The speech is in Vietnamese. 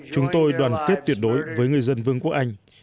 chúng tôi đoàn kết tuyệt đối với người dân vương quốc anh